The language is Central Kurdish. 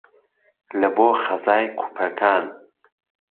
لە بۆ خەزای کوپەکان